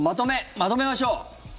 まとめましょう。